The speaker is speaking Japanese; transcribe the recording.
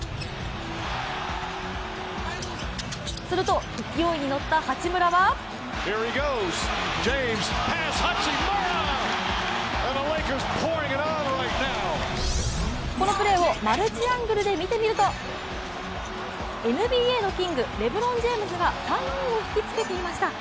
すると勢いに乗った八村はこのプレーをマルチアングルで見てみるとＮＢＡのキング、レブロン・ジェームズが３人を引きつけていました。